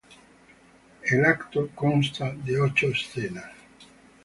El acto consta de ocho escenas.